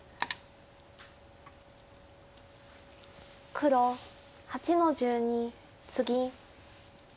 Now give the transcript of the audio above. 黒８の十二ツギ。